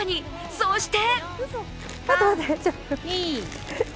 そして！